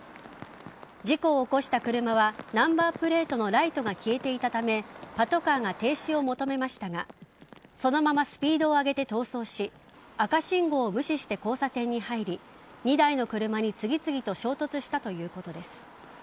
事故を起こした車はナンバープレートのライトが消えていたためパトカーが停止を求めましたがそのままスピードを上げて逃走し赤信号を無視して交差点に入り２台の車に次々と衝突したということです。